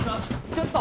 ちょっと。